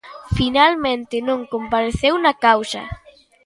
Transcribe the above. Finalmente non compareceu na causa.